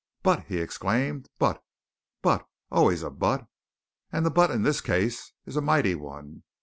"But!" he exclaimed. "But but always a but! And the but in this case is a mighty one.